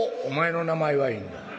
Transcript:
「お前の名前はいいんだ。